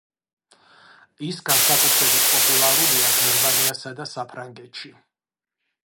ის განსაკუთრებით პოპულარულია გერმანიასა და საფრანგეთში.